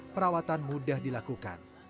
perawatan mudah dilakukan